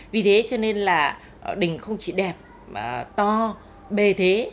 vì thế cho nên là đình không chỉ đẹp mà to bề thế